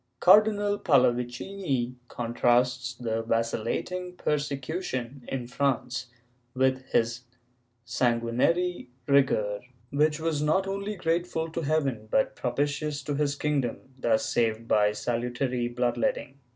Cardinal Pallavicini contrasts the vacillating persecution in France with his sanguinary rigor, which was not only grateful to heaven but propitious to his kingdom, thus saved by salutary blood letting.